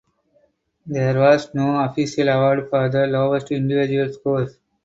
There was no official award for the lowest individual scores.